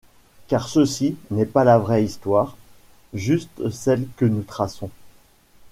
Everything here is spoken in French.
Car ceci n’est pas la vraie Histoire : juste celle que nous traçons.